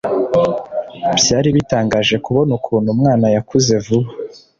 byari bitangaje kubona ukuntu umwana yakuze vuba